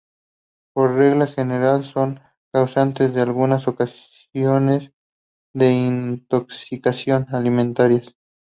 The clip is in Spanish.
Por regla general son causantes, en algunas ocasiones, de intoxicación alimentarias.